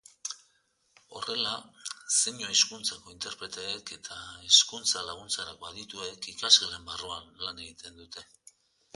Horrela, zeinu-hizkuntzako interpreteek eta hezkuntza-laguntzarako adituek ikasgelen barruan lan egiten dute.